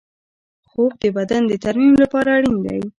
خوب د بدن د ترمیم لپاره اړین دی